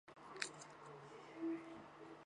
括认知治疗。